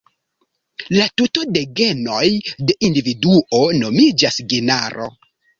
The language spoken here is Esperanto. La tuto de genoj de individuo nomiĝas genaro.